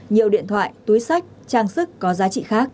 nhiều điện thoại túi sách trang sức có giá trị khác